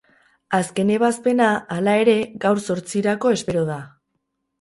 Azken ebazpena, hala ere, gaur zortzirako espero da.